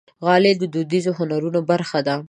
غالۍ د دودیزو هنرونو برخه ده.